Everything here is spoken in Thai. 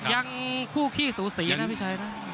ยังคู่ขี้สูสีนะพี่ชัยนะ